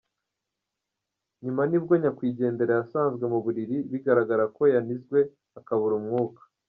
Nyuma nibwo nyakwigendera yasanzwe mu buriri bigaragara ko yanizwe akabura umwuka.